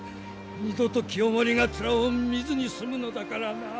二度と清盛が面を見ずに済むのだからなあ。